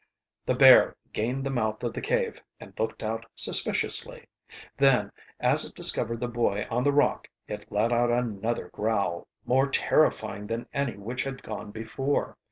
The bear gained the mouth of the cave and looked out suspiciously. Then, as it discovered the boy on the rock, it let out another growl, more terrifying than any which had gone before.